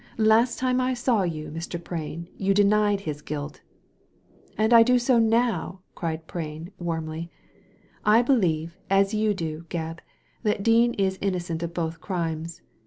''Last time I saw you, Mr. Prain, you denied his guilt." "And I do so now!" cried Prain, warmly. "I believe, as you do, Gebb, that Dean is innocent of both crimes.